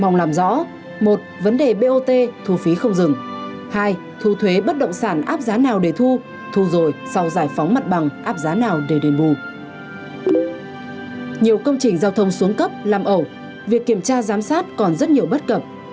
nhiều công trình giao thông xuống cấp làm ẩu việc kiểm tra giám sát còn rất nhiều bất cập